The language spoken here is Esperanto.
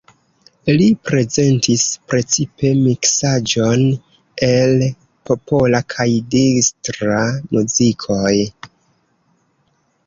Li prezentis precipe miksaĵon el popola kaj distra muzikoj.